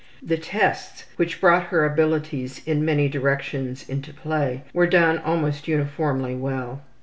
The tests, which brought her abilities in many directions into play, were done almost uniformly well.